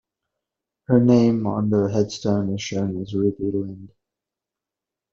Her name on the headstone is shown as "Ruby Lind".